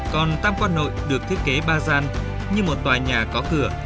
còn tam quan nội được thiết kế ba gian như một tòa nhà có cửa